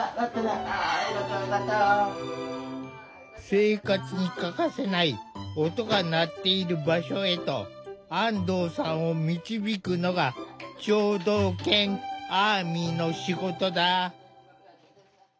生活に欠かせない「音」が鳴っている場所へと安藤さんを導くのが聴導犬アーミの仕事だ。